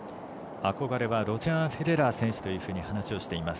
憧れはロジャー・フェデラー選手と話しています。